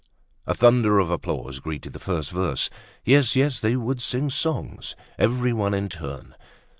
A thunder of applause greeted the first verse. Yes, yes, they would sing songs! Everyone in turn.